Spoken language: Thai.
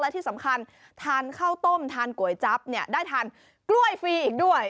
และที่สำคัญทานข้าวต้มทานก๋วยจั๊บเนี่ยได้ทานกล้วยฟรีอีกด้วย